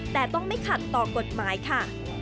แต่ต้องไม่ขัดต่อกฎหมายค่ะ